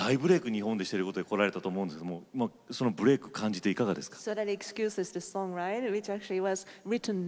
日本でして来られたと思うんですけどもそのブレークを感じていかがですか？